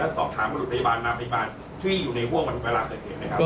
และตอบถามรุธพยาบาลนามพยาบาลที่อยู่ในห้วงประดับประเทศไหมครับ